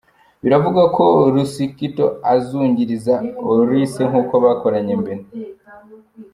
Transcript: Biravugwa ko Losciuto azungiriza Oliseh nkuko bakoranye mbere.